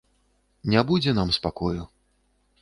Не будзе нам спакою.